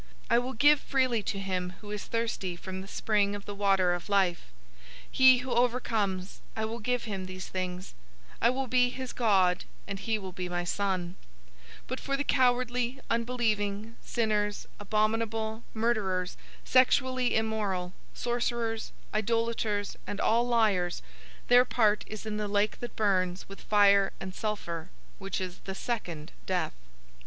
I will give freely to him who is thirsty from the spring of the water of life. 021:007 He who overcomes, I will give him these things. I will be his God, and he will be my son. 021:008 But for the cowardly, unbelieving, sinners, abominable, murderers, sexually immoral, sorcerers,{The word for "sorcerers" here also includes users of potions and drugs.} idolaters, and all liars, their part is in the lake that burns with fire and sulfur, which is the second death."